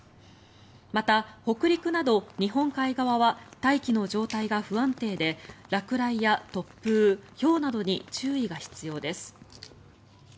また、北陸など日本海側は大気の状態が不安定で落雷や突風、ひょうなどに注意が必要です。